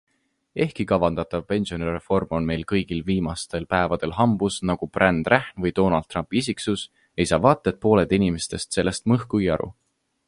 Ehkki kavandatav pensionireform on meil kõigil viimastel päevadel hambus nagu brändrahn või Donald Trumpi isiksus, ei saa vaat et pooled inimestest sellest mõhkugi aru.